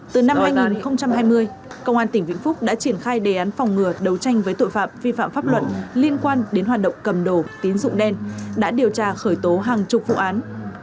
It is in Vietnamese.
từ năm hai nghìn hai mươi công an tỉnh vĩnh phúc đã triển khai đề án phòng ngừa đấu tranh với tội phạm vi phạm pháp luật liên quan đến hoạt động cầm đồ tín dụng đen đã điều tra khởi tố hàng chục vụ án